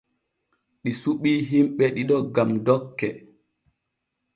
Ɗi suɓii himbe ɗiɗo gam dokke.